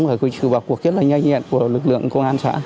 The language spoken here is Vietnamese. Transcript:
và trừ bỏ cuộc rất là nhanh nhẹn của lực lượng công an xã